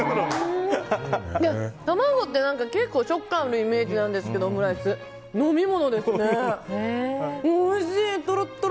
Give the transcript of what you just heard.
卵って結構食感あるイメージなんですけどオムライスって。